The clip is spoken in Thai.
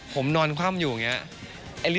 ผมนอนคว่ามอยู่อยู่อย่างนี้